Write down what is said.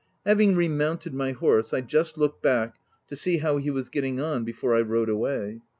Having remounted my horse, I just looked back to see how he was getting on, before I rode away.